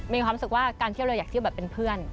มีความรู้สึกว่าการเที่ยวเราอยากเที่ยวแบบเป็นเพื่อน